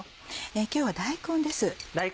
今日は大根です。